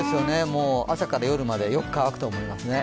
朝から夜までよく乾くと思いますね。